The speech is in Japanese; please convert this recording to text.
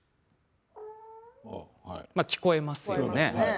聞こえますよね。